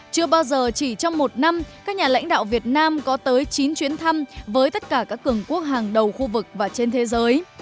chưa bao giờ chỉ trong một năm các nhà lãnh đạo việt nam có tới chín chuyến thăm với tất cả các cường quốc hàng đầu khu vực và trên thế giới